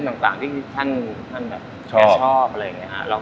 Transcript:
ก็เลยเริ่มต้นจากเป็นคนรักเส้น